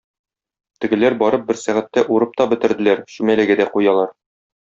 Тегеләр барып бер сәгатьтә урып та бетерделәр, чүмәләгә дә куялар.